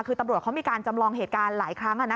คือตำรวจเขามีการจำลองเหตุการณ์หลายครั้ง